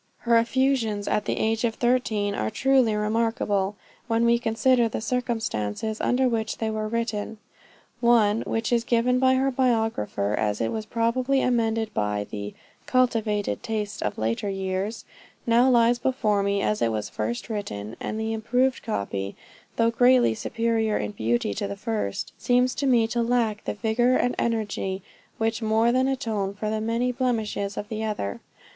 Her effusions at the age of thirteen are truly remarkable, when we consider the circumstances under which they were written. One, which is given by her biographer as it was probably amended by the 'cultivated taste of later years,' now lies before me as it was first written; and the improved copy, though greatly superior in beauty to the first, seems to me to lack the vigor and energy, which more than atone for the many blemishes of the other.